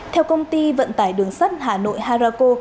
theo công ty vận tải đường sắt hà nội harako